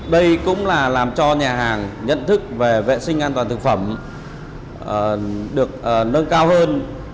đây cũng là làm cho nhà hàng nhận thức về vệ sinh an toàn thực phẩm được nâng cao hơn